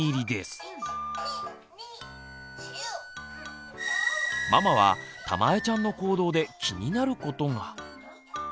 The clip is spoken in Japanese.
ママはたまえちゃんの行動で気になることが。